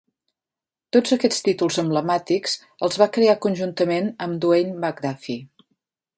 Tots aquests títols emblemàtics els va crear conjuntament amb Dwayne McDuffie.